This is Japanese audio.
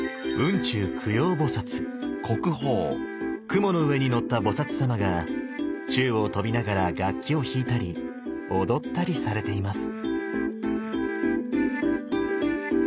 雲の上に乗った菩様が宙を飛びながら楽器を弾いたり踊ったりされています。